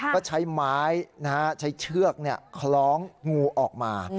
ก็ใช้ไม้ใช้เชือกคล้องงูออกมา